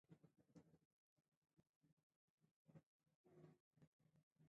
منتقدین وایي هغه پر بهرني ملاتړ متکي دی.